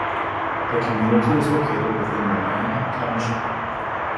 The community is located within Milan Township.